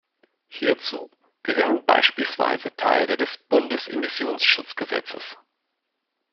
Hierzu gehören beispielsweise Teile des Bundes-Immissionsschutzgesetzes.